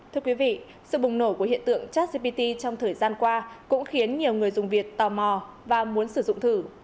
thưa quý vị sự bùng nổ của hiện tượng chat gpt trong thời gian qua cũng khiến nhiều người dùng việt tò mò và muốn sử dụng thử